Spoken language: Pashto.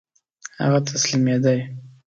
هغه تسلیمېدی.